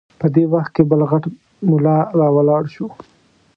په دې وخت کې بل غټ ملا راولاړ شو.